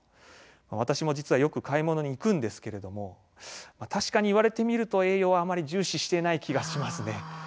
私も実は、よく買い物に行くんですけれども確かに言われてみると栄養はあまり重視していない気がしますね。